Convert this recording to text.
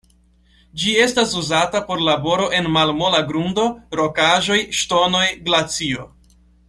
Ĝi estas uzata por laboro en malmola grundo, rokaĵoj, ŝtonoj, glacio.